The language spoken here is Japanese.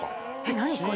何これ？